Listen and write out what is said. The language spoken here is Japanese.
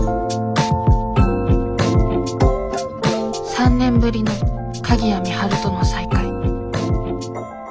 ３年ぶりの鍵谷美晴との再会。